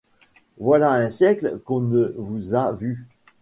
Voilà un siècle qu'on ne vous a vu.